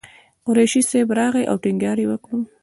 قریشي صاحب راغی او ټینګار یې وکړ.